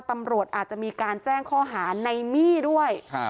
ตำรวจอาจจะมีการแจ้งข้อหาในมี่ด้วย